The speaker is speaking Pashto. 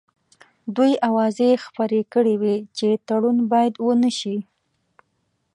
دوی اوازې خپرې کړې وې چې تړون باید ونه شي.